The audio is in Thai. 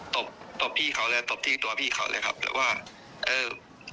ตบตบพี่เขาเลยตบที่ตัวพี่เขาเลยครับแต่ว่าเออ